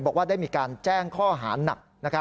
บอกว่าได้มีการแจ้งข้อหานัก